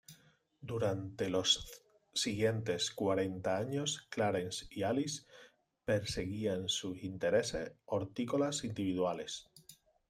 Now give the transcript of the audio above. Durante los siguientes cuarenta años Clarence y Alice perseguían sus intereses hortícolas individuales.